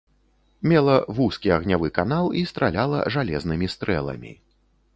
Мела вузкі агнявы канал і страляла жалезнымі стрэламі.